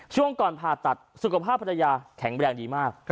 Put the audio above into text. ช่วงก่อนผ่าตัดสุขภาพภรรยาแข็งแรงดีมาก